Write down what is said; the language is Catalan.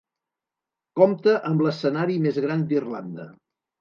Compta amb l'escenari més gran d'Irlanda.